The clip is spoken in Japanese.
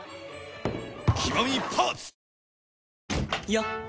よっ！